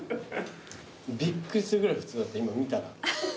びっくりするぐらい普通だった今見たら。